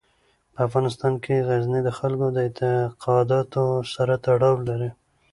په افغانستان کې غزني د خلکو د اعتقاداتو سره تړاو لري.